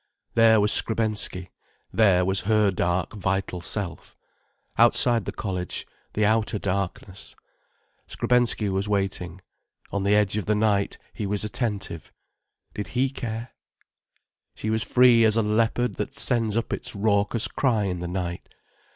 There was Skrebensky, there was her dark, vital self. Outside the college, the outer darkness, Skrebensky was waiting. On the edge of the night, he was attentive. Did he care? She was free as a leopard that sends up its raucous cry in the night.